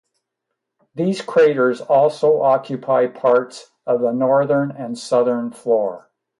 These craters also occupy parts of the northern and southern floor.